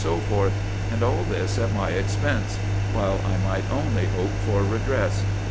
and all this at my expense, while I might only hope for redress.